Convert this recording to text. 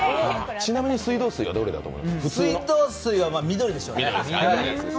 ちなみに水道水はどれだと思います？